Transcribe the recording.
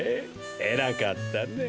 えらかったね。